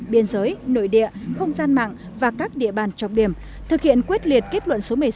biên giới nội địa không gian mạng và các địa bàn trọng điểm thực hiện quyết liệt kết luận số một mươi sáu